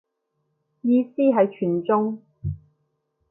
意思係全中